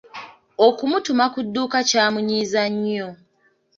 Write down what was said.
Okumutuma ku dduuka kyamunyiizizza nnyo.